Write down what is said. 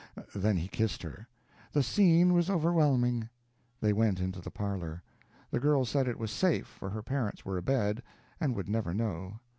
Then he kissed her. "The scene was overwhelming." They went into the parlor. The girl said it was safe, for her parents were abed, and would never know.